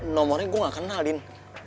nomornya gue gak kenalin